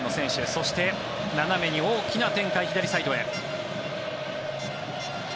そして、斜めに大きな展開左サイドへ。